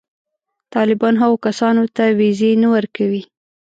طالبان هغو کسانو ته وېزې نه ورکوي.